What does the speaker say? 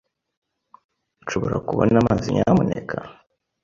Nshobora kubona amazi, nyamuneka?